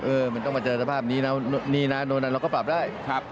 มันต้องมาเจอสภาพนี้นะนี่นะเราก็ปรับได้